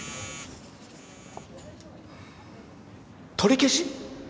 取り消し！？